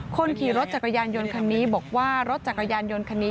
คนขี่รถจักรยานยนต์คันนี้บอกว่ารถจักรยานยนต์คันนี้